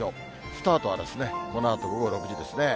スタートはこのあと午後６時ですね。